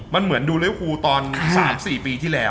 มันเหมือนดูลิฟูตอน๓๔ปีที่แล้ว